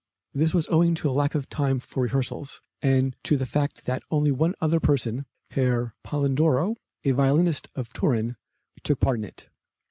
This was owing to lack of time for rehearsals, and to the fact that only one other person, Herr Polledro, a violinist of Turin, took part in it.